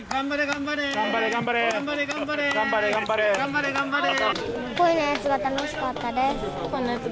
頑張れ、頑張れ！